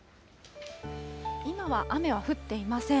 今は雨は降っていません。